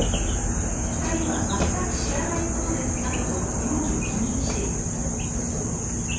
２人は全く知らないことですなどと容疑を否認しています。